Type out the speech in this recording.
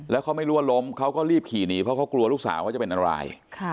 แล้วเขาไม่รั่วลมเขาก็รีบขี่หนีเพราะเขากลัวลูกสาวจะเป็นอะไร